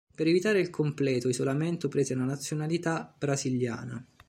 Per evitare il completo isolamento prese la nazionalità brasiliana.